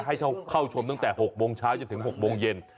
ให้เข้าชมตั้งแต่๖โมงเช้าจนถึง๖โมงเย็น